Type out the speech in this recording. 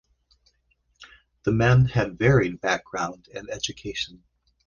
The men had varied background and education.